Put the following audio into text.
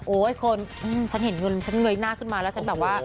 คนฉันเห็นเงินฉันเงยหน้าขึ้นมาแล้วฉันแบบว่า